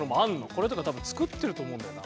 これとか多分作ってると思うんだよな。